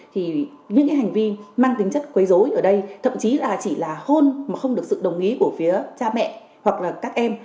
thì những cái hành vi mang tính chất quấy dối ở đây thậm chí là chỉ là hôn mà không được sự đồng ý của phía cha mẹ hoặc là các em